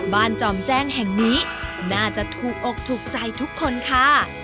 จอมแจ้งแห่งนี้น่าจะถูกอกถูกใจทุกคนค่ะ